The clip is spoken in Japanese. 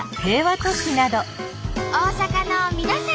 大阪の皆さん